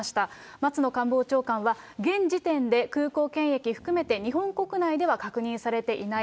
松野官房長官は現時点で空港検疫含めて、日本国内では確認されていない。